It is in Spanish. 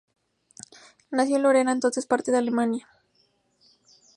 Nació en Lorena, entonces parte de Alemania.